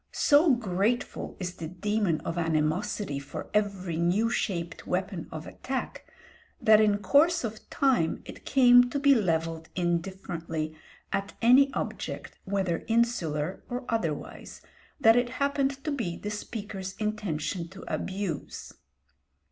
So grateful is the demon of animosity for every new shaped weapon of attack, that in course of time it came to be levelled indifferently at any object whether insular or otherwise that it happened to be the speaker's intention to abuse.